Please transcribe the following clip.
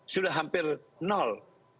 sudah hampir nol